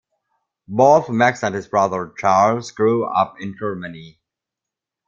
Both Max and his brother Charles grew up in Germany.